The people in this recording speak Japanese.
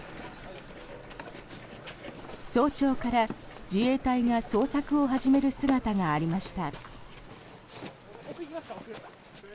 早朝から、自衛隊が捜索を始める姿がありました。